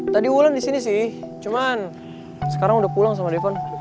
tadi ulan disini sih cuman sekarang udah pulang sama devon